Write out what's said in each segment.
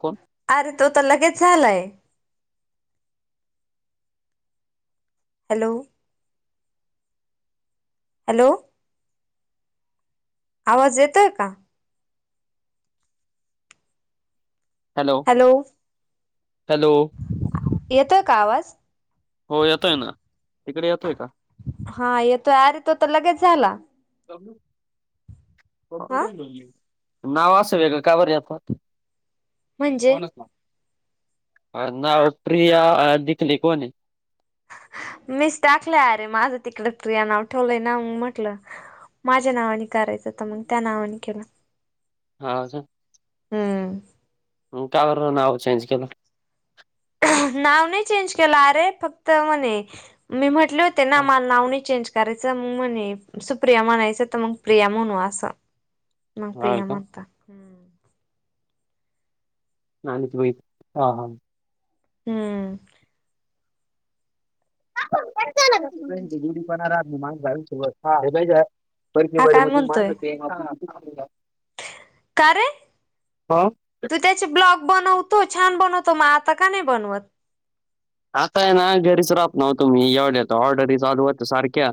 कोण अरे तो तर लगेच झालाय. हॅलो हॅलो आवाज येतोय का हॅलो हॅलो येतोय का आवाज हो येतोय ना तिकडे येतोय का हा येतोय आर तो तर लगेच झाला. दगडु हा नाव असं वेगं काय बर आता म्हणजे कोणाचा नावात प्रिया डीकले कोण आहे. मीच टाकल्या अरे माझं तिकड प्रिया नाव ठेवलंय ना म्हटलं माझ्या नावाने करायचं तर मग त्या नावाने केलं हा झ हम्म हम्म का बर नाव चेंज केलं. नाव नाही चेंज केलं अरे फक्त म्हणे मी म्हटले होते ना मला नाव नाही चेंज करायच मग म्हणे सुप्रिया म्हणायचं तर मग प्रिया म्हणू असं मला हा प्रिया का म्हणता. नान झोळी ह हा. हम्म जडी पण म माग सत हा हे. हा काय म्हणतोय [unintelligible] का रे तू त्याचे ब्लॉग बनवतो छान बनवतो. मग आता का नाही बनवत? आताय ना घरीच राहत न्हवतो मी येवढ्या तर ऑर्डरी चालू होत्या सारख्या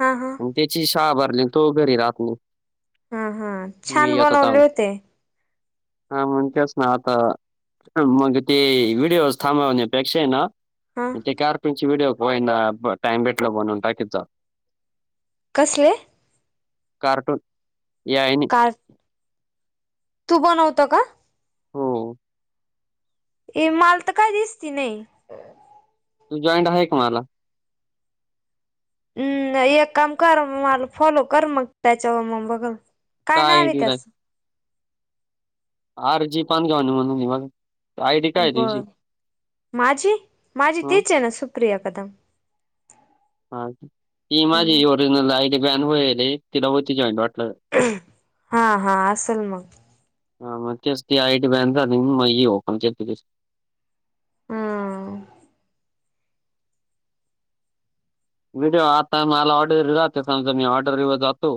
हा हा आणि त्याची शाळा भरली तो घरी राहात नाही. हा हा मी छान यतो बनवले थांब होते हा म्हणतेच ना आता मग ते व्हिडीओज थांबवण्यापेक्षा ना. हा ते कार पिन ची व्हिडिओ टाईम भेटला म्हणून टाकीत जा. कसले? कार्टूून ए आई नी. कार तू बनवतो का? हो ए माल तर काही दिसती नाही. तू जॉईंट आहे का मला? हम्म एक काम कर मग मला फॉलो कर मग त्याच्यावर मग बघल. काय नाव आहे त्याचं? आर जी पान घावणे म्हणून आहे बघा. आयडी काय आहे बर तुझी माझी माझी ह तीच आहे ना सुप्रिया कदम. हा ती माझी हम्म ओरिजनल आय डी बॅन होईल हे तिला होती जॉईंड वाटतं. हा हा आसल मग. हा तीच ती आयडी बॅन झाली म्हणून ही ओपन केली दुसरी. हम्म व्हिडिओ आता मला ऑर्डरी राहता समजा मी ऑर्डरीवर जातो.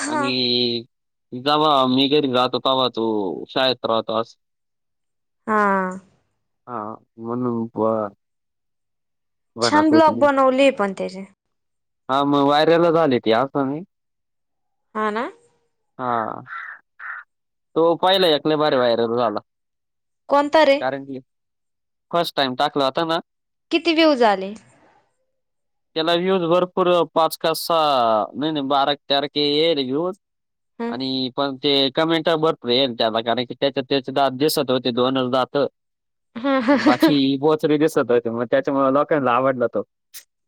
हा आणि जवा मी घरी जातो तेव्हा तो शाळेत राहतोस असं हा हा म्हणून ब बन. छान ब्लॉग बनवले पण त्याचे. हा मग वायरला झाली ती आसा मी. हा ना हा तो पहिला एक लई भारी व्हायरल झाला. कोणता रे? कारण की फर्स्ट टाइम टाकल आता ना. किती व्ह्यूज झाले? त्याला व्ह्यूज भरपूर पाच का सहा नाही नाही बारा तेरा के येईल व्ह्यूज. ह आणि पण ते. कमेंट भरपूर येयला थ्या कारण की त्याच्यात त्याचे दात दिसत होते दोनचं दात. हा हा हा. बाकी बोचरे दिसत होते मग त्याच्यामुळ लोकांना आवडला तो.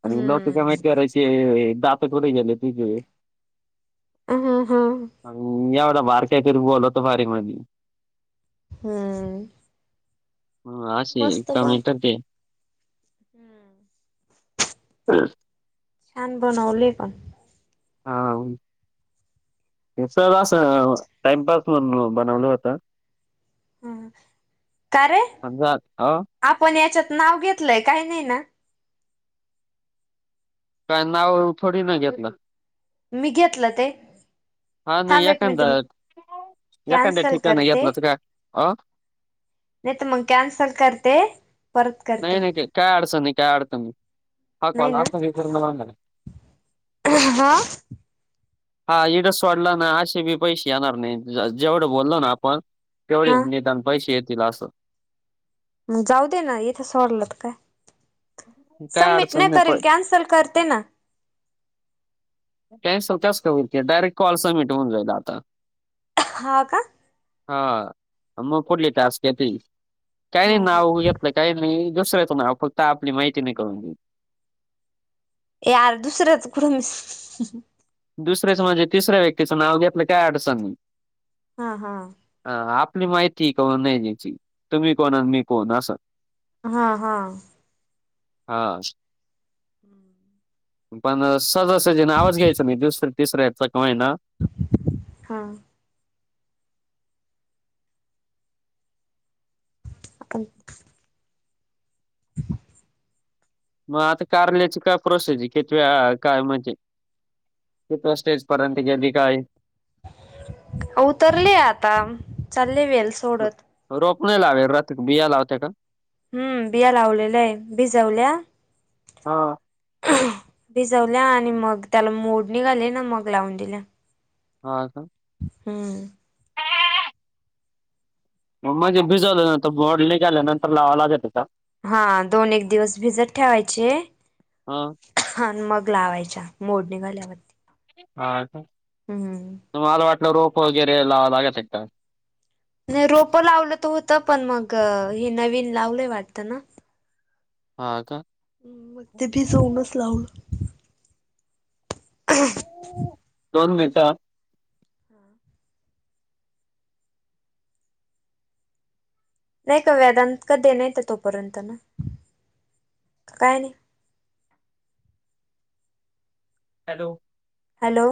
आणि लोक हम्म. कमेंट करायचे दात कुठं गेले तुझे. हा हा. आणि एवढा बारका आहे तरी बोलतो भारी म्हणे. हम्म आ असे कमेन्ट होते. हम्म ह छान बनवली पण. हा हे सर असं टाइमपास म्हणून बनवलं होतं ह का रे समजा अ आपण याच्यात नाव घेतलंय काही नाही ना काय नाव थोडी न घेतलं मी घेतलं ते हा नाही थांब एक एखांदा मिनिट मी एखांद्या कॅन्सल ठिकाणी नाही येत करते ना तु का अ नाही तर मग कॅन्सल करते परत करते नाही नाही काय अडचण नाही काय अडचण नाही हा नाही कॉल ना असा पण पूर्ण होणार आहे. हा. हा इडस वाढला ना असे बी पैसे येणार नाहीत जेवढं बोललो ना आपण तेवढे हा निदान पैसे येतील असं मग जाऊ दे ना इथे सोडल तर काय काय सबमिट अडचण नाही करल पण कॅन्सल कर ते ना कॅन्सल कसं काय होईल ते डायरेक्ट कॉल सबमिट होऊन जाईल आता हा का हा म पुुढली टास्क येतील काय नाही ह ह नाव एक काही नाही दुसर्याचं नाव फक्त आपली माहिती नाही करून ए यार दुसरंच कु म दुसर्याचं म्हणजे तिसऱ्या व्यक्तींचं नाव घेतलं काय अडचण नाही हा हा हा आपली माहिती करून नाही द्यायची तुम्ही कोण आणि मी कोण असं हा हा हा [unintelligible] पण सहजासहजी नावच घ्यायचा नाही दुसऱ्या तिसऱ्याचा का होईना हा आपण [unintelligible] मग आता कारल्याची काय प्रोसेज आहे किती वेळा काय म्हणजे कितव्या स्टेजपर्यंत गेली काय आहे उतरले आता चालले वेल्स रोप नाही लावत रथ बिया लावते का हम्म बिया लावलेलंय भिजवल्या हा भिजवल्या आणि मग त्याला मोड निघाले ना मग लावून दिल्या हा का हम्म म्हणजे भिजवलं नंतर मोड निघाल्या नंतर लावावं लागते का हा दोन एक दिवस भिजत ठेवायचे हा ह मग लावायच्या मोड निघाल्यावर हा का हम् मला वाटलं रोप वगैरे लावावं लागते का नाही रोपं लावलं तर होतं पण मग हे नवीन लावलंय वाटतं ना हा का मग ते भिजवुनच लावलं दोन मिनट हा.. नाही का वेदांत कधी नाही, तर तोपर्यंत ना काय नाही. हॅलो हॅलो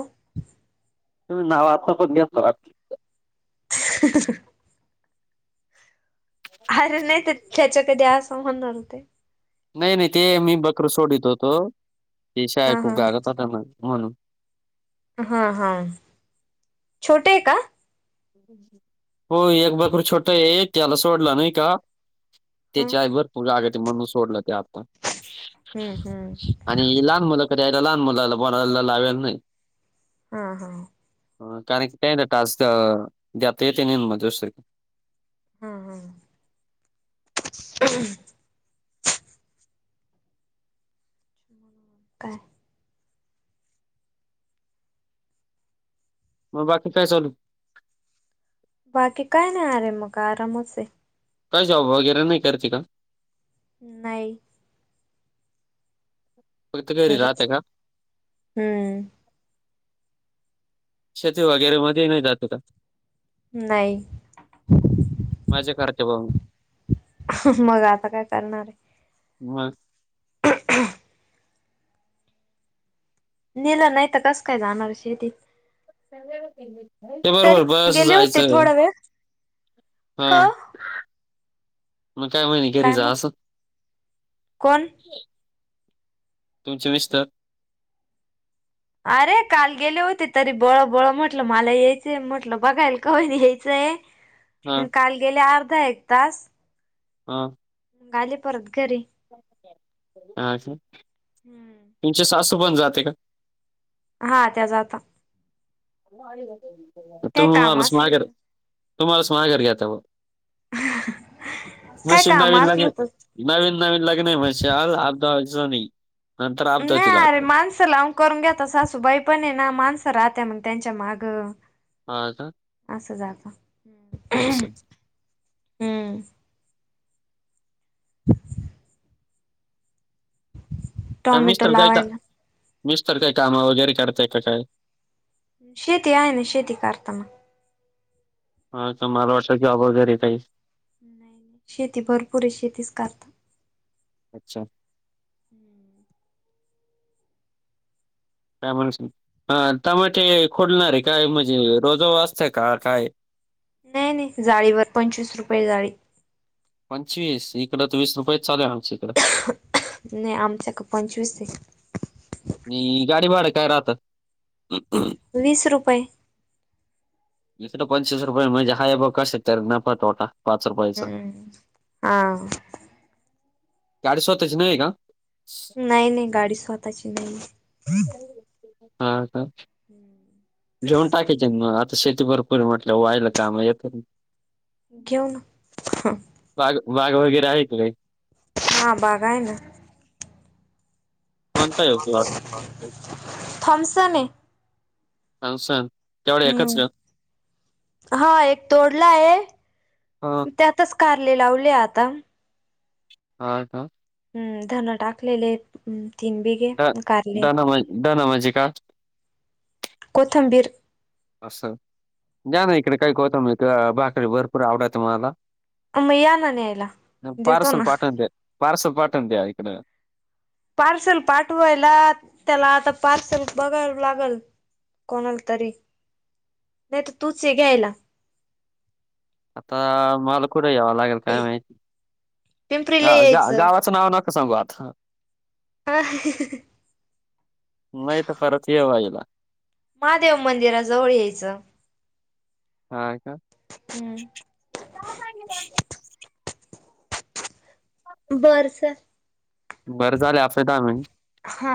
तुह नाव आता पण घेता वाटतं. [unintelligible] अरे नाही ते त्याच्या कधी असं म्हणणार होते. नाही नाही ते मी बकरं सोडीत होतो, ते शेळ्या हा हा खूप गारत होत्या म्हणून. हा हा छोटे आहे का? होय एक बकरू छोटा आहे, त्याला सोडला नाही का. ह त्याची आय भरपूर रागात आहे, म्हणून सोडलं ते आता. हं... हूं... आणि ही लहान मुलं कधी यायला लहान मुलाला बोलायला लावेयला नाही. हा हा. अ कारण की काय आहे ना टास्क जात येते नाही म दुसरी हा हा. [unintelligible] काय मग बाकी काय चालु? बाकी काय नाही आरे मग आरामच आहे. काय जॉब वगैरे नाही करती का? नाही. फक्त घरी राहता घरीच का? हम्म शेती वगैरे मध्ये नाही जातं का? नाही. मजा करते बा मग. [unintelligible] मग आता काय करणार आहे. मग [unintelligible] नेलं नाही तर कसं काय जाणार शेतीत. [unintelligible] ते बरोबर तरी बस गेले होते जायचं. थोडा वेळ हा. हो मग काय म्हणे घरी रहा आसच.? कोण तुमचे मिस्टर अरे काल गेले होते, तरी बळ-बळ म्हटलं मला यायचंय म्हटलं बघायला का होईना यायचंय. हा मग काल गेले अर्धा एक तास. हा. मग आले परत घरी. अच्छ.. हम्म तुमची सासू पण जाते का? हा त्या जाता. काय तुम्ही काम मलाच असल माघर, तर तुम्हालांच माघर घेता बो. काय नशीब [unintelligible] काम असल तर नवीन नवीन लग्न आहे म्हनशाल [unintelligible] जुनी नाय अरे माण सं लावून करून घेता सासुबाई पण ये ना माणसं राहत्या म त्यांच्या मागं. हा का असं जाता. असं हम्म [inaudible] का टॉमॅटो मिस्तर काय का, लावायला मिस्तर काय काम वगैरे करताय का काय? शेती आहे ना, शेती करता मग. हा का, मला वाटलं जॉब वगैरे काही शेती भरपूर आहे. शेतीच करता. अच्छा! हम्म. [inaudible] त्यामूळे, टमाटे खुडणार आहे काय? म्हणजे रोजा वा असतंय का काय? नाही- नाही जाळीवर, पंचवीस रुपये जाळी. पंचवीस, इकडं तर वीस रुपयेच चालुयं आमचे इकडं. नाही आमच्याक पंचवीस. गाडी भाड काय राहत? वीस रुपये. इकडं पंचवीस रुपये, म्हणजे हाय बा कशातरी नफा- तोटा. पाच रुपयाचा. हम्म हा गाडी स्वतःची नाही का? नाही नाही गाडी स्वतःची नाही आहे. हा का. घेऊन टाक की म आता शेती भर म्हटलं वाहायला काम येतात ना. घेऊ ना. ह वाघ, वाघ वगैरे आहे का काही? हा बाघा आहे ना. कोणता आहे प्लॉट थमसने आहे. हां सां [unintelligible] हम्म, हा एक तोडला आहे हा त्यात च कारले लावले आता. हा का? हम्म, धन टाकलेले, तीन बिघे कारले धन म्हणजे का कोथंबीर. असं, दया ना इकडे काही कोथिंबीर बाकरी भरपूर आवडायत मला. तुम्ही या ना न्यायला, देतो पार्सल ना. पाठवून द्या पार्सल पाठवून द्या इकडे. पार्सल पाठवायला त्याला आता पार्सल बघाव लागल. कोणाला तरी, नाही तर तूच हे घ्यायला. आता मला कुठे यावं लागेल. काय माहिती, पिंपरीला ग यायचं -गावाचं नाव नका सांगू आता. हा. नाही तर परत ये व्हाहिला महादेव मंदिराजवळ यायचं. हा का? हम्म बरसात [unintelligible] बरं झाले आपले दहा मिनिट. हा.